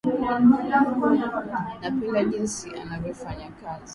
Napenda jinsi anavyofanya kazi